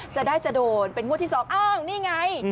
จะได้จะโดนเป็นงวดที่๒อ้าวนี่ไง